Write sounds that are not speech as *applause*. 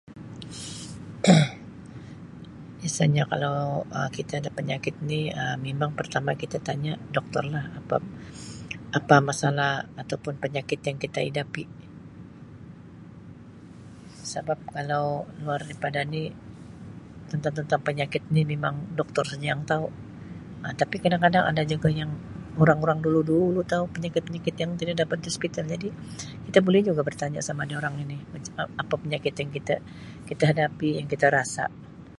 *coughs* Biasanya kalau Um kita ada penyakit ni Um memang pertama kita tanya doktor lah apa masalah ataupun penyakit yang kita hidapi. Sabab kalau luar daripada ni tentang-tentang penyakit ni memang doktor saja yang tau Um tapi kadang-kadang ada juga yang orang-orang dulu-dulu tau penyakit-penyakit yang tida dapat tau di hospital jadi kita boleh juga bertanya sama durang ini apa penyakit yang kita hadapi yang kita rasa.